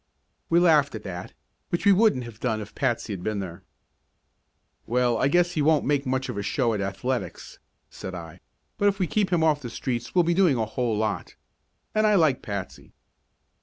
We laughed at that which we wouldn't have done if Patsy had been there. "Well, I guess he won't make much of a show at athletics," said I, "but if we keep him off the streets we'll be doing a whole lot. And I like Patsy."